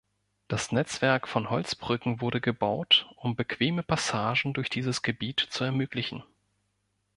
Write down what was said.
Das Netzwerk von Holzbrücken wurde gebaut, um bequeme Passagen durch dieses Gebiet zu ermöglichen.